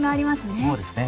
そうですね。